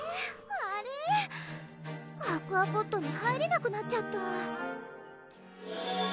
あれっ⁉アクアポットに入れなくなっちゃった